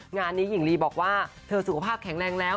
งานนี้หญิงลีบอกว่าเธอสุขภาพแข็งแรงแล้ว